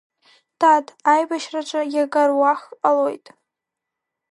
Дад, аибашьраҿы иага руахк ҟалоит…